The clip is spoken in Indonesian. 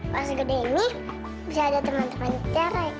pas gede ini bisa ada teman teman kita ya kak